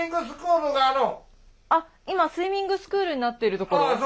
あっ今スイミングスクールになってるところ。